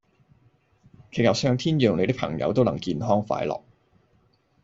祈求上天讓你的朋友都能健康快樂